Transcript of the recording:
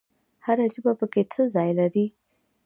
هر ژبه پکې څه ځای لري؟